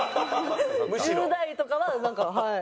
１０代とかはなんかはい。